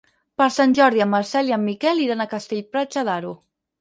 Per Sant Jordi en Marcel i en Miquel iran a Castell-Platja d'Aro.